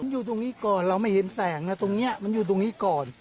อยู่ตรงนี้ก่อนเราไม่เห็นแสงนะตรงนี้มันอยู่ตรงนี้ก่อน